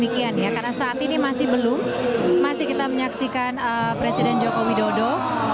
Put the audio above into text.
karena saat ini masih belum masih kita menyaksikan presiden joko widodo